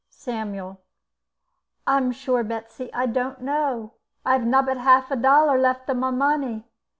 Samiul: "I'm sure, Betsy, I don't know. I've nobbut hafe a dollar left of o' my money.